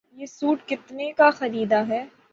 یہ سوٹ کتنے کا خریدا ہے؟